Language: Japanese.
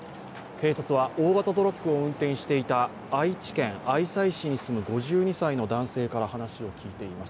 警察は、大型トラックを運転していた愛知県愛西市に住む５２歳の男性から話を聞いています。